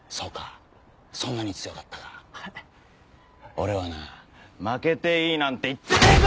俺はな負けていいなんて言ってねえぞ！